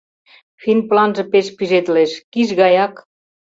Финпланже пеш пижедылеш, киш гаяк...